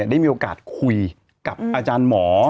ได้มีโอกาสคุยกับอาจารย์หมอ